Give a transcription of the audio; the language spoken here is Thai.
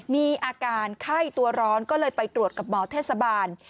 มีอาการไข้ตัวร้อนก็เลยไปตรวจกับหมอเทศบาล